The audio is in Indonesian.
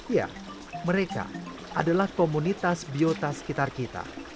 ya mereka adalah komunitas biota sekitar kita